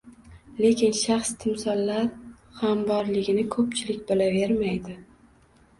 Lekin shaxs-timsollar ham borligini koʻpchilik bilavermaydi